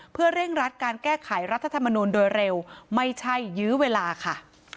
เพื่อเร่งรัดการแก้ไขรัฐธรรมนูลโดยเร็วไม่ใช่ยื้อเวลาค่ะ